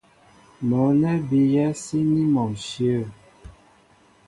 Mɔ̌ nɛ́ a bíyɛ́ síní mɔ ǹshyə̂.